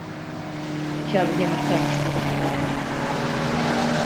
Ich habe hiermit keine Schwierigkeiten.